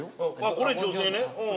これ女性ねうん。